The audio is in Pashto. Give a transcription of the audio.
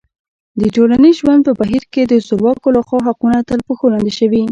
د ټولنیز ژوند په بهیر کې د زورواکو لخوا حقونه تر پښو لاندې شوي.